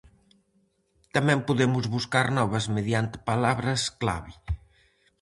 Tamén podemos buscar novas mediante palabras clave.